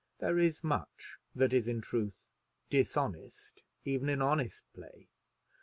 There is much that is, in truth, dishonest even in honest play.